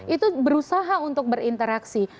itu berusaha untuk berinteraksi